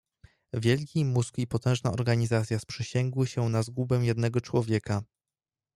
"Wielki mózg i potężna organizacja sprzysięgły się na zgubę jednego człowieka."